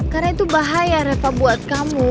karena itu bahaya reva buat kamu